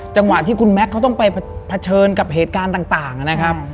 จังหวะที่คุณแม็กซ์เขาต้องไปเผชิญกับเหตุการณ์ต่างนะครับ